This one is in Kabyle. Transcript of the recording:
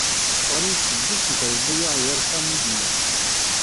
Ɣlint seddis n trebbuyaɛ gar ṭam i yellan.